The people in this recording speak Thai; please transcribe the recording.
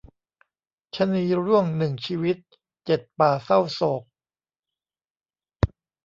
ชะนีร่วงหนึ่งชีวิต เจ็ดป่าเศร้าโศก